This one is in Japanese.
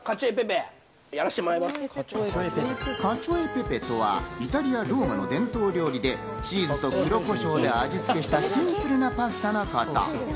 カチョエペペとはイタリア・ローマの伝統料理でチーズと黒コショウで味付けしたシンプルなパスタのこと。